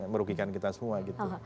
merugikan kita semua gitu